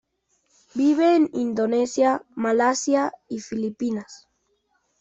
Vive en Indonesia, Malasia y Filipinas.